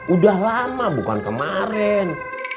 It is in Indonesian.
udah lama bukan kemarin